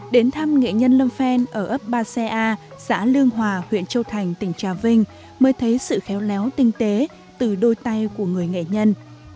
đến thăm nghệ nhân lâm phen ở ấp ba xe a xã lương hòa huyện châu thành tỉnh trà vinh mới thấy sự khéo léo tinh tế từ đôi tay của người nghệ nhân